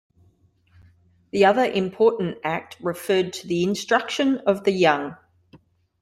The other important act referred to the instruction of the young.